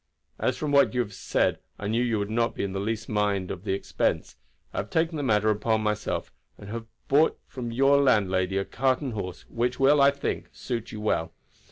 As from what you have said I knew that you would not in the least mind the expense, I have taken the matter upon myself, and have bought from your landlady a cart and horse, which will, I think, suit you well.